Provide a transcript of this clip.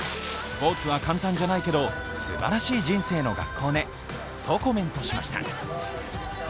スポーツは簡単じゃないけどすばらしい人生の学校ねとコメントしました。